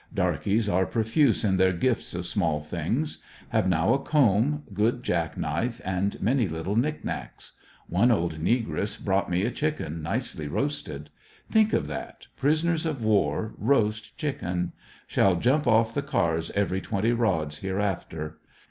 Darkys are profuse in their gifts of small things. Have now a comb, good jack knife, and many little nicknacks. One old n egress brought me a chicken nicely roasted. Think of that, prisoners of war, roast chicken! Shall jump off the cars every twenty rods hereafter.